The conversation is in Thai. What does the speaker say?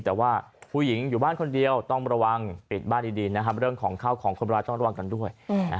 แต่ว่าผู้หญิงอยู่บ้านคนเดียวต้องระวังปิดบ้านดีนะครับเรื่องของข้าวของคนร้ายต้องระวังกันด้วย